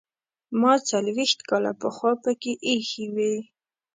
ما څلوېښت کاله پخوا پکې ایښې وې.